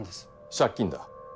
借金だ。